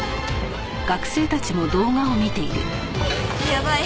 やばい！